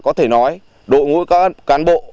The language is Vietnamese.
có thể nói đội ngũ cán bộ